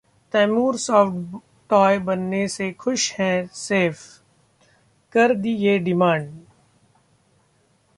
'Taimur' soft toy बनने से खुश हैं सैफ, कर दी ये डिमांड